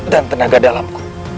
dan tenaga dalamku